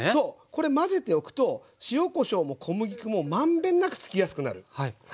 これ混ぜておくと塩こしょうも小麦粉も満遍なくつきやすくなる。